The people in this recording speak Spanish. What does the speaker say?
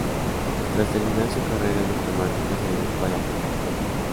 Tras terminar su carrera diplomática, se dedicó a la política.